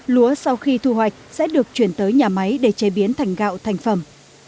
lúa sau khi thu hoạch sẽ được chuyển tới nhà máy để chế biến thành gạo thành phẩm